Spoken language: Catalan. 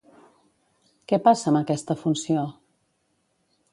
Què passa amb aquesta funció?